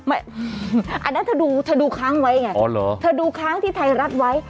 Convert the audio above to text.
อันนั้นเธอดูค้างไว้ไงเธอดูค้างที่ไทยรัฐไว้